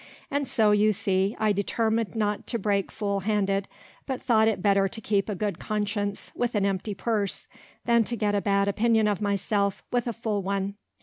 And so, you see, I determined not to break full handed, but thought it better to keep a good conscience with an empty purse, than to get a bad opinion of myself, with a full one.